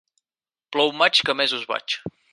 Plou maig, que a mesos vaig.